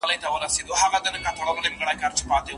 که ايجاب او قبول وي نکاح تړل کيږي.